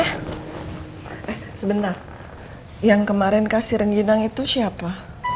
eh sebentar yang kemarin kasih rengginang itu siapa